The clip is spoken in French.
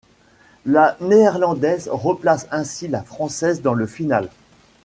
La Néerlandaise replace ainsi la Française dans le final.